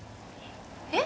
え？